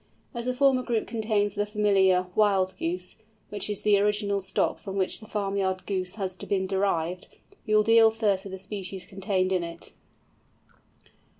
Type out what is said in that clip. As the former group contains the familiar "Wild Goose"—which is the original stock from which the farmyard Goose has been derived—we will deal first with the species contained in it.